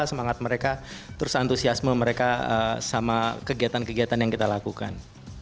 semangat mereka terus antusiasme mereka sama kegiatan kegiatan yang kita lakukan